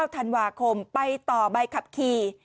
๒๙๒๗ธันวาคมไปต่อบายขับขี่